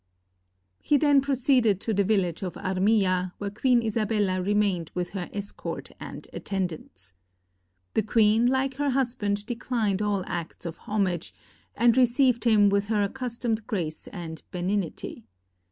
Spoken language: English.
He then proceeded to the village of Armilla, where Queen Isabella remained with her escort and attendants. The queen, like her husband, declined all acts of homage, and received him with her accustomed grace and be nignity.